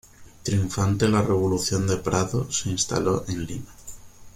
Triunfante la revolución de Prado, se instaló en Lima.